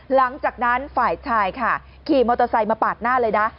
หลังจากนั้นฝ่ายชายค่ะขี่มอเตอร์ไซค์มาปาดหน้าเลยนะ